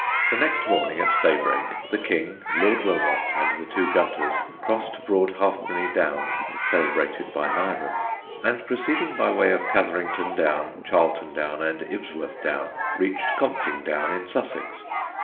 The next morning at daybreak, the King, Lord Wilmot and the two Gunters crossed Broad Halfpenny Down (celebrated by Nyren), and proceeding by way of Catherington Down, Charlton Down, and Ibsworth Down, reached Compting Down in Sussex.